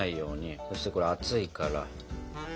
そしてこれ熱いから。